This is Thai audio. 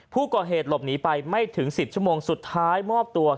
ผู้ก่อเหตุหลบหนีไปไม่ถึง๑๐ชั่วโมงสุดท้ายมอบตัว